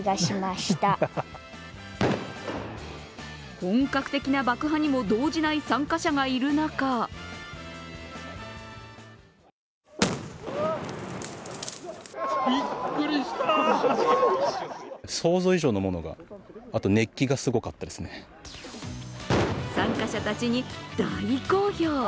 本格的な爆破にも動じない参加者がいる中参加者たちに大好評。